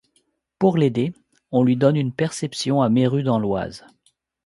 Pour l’aider, on lui donne une perception à Méru dans l'Oise.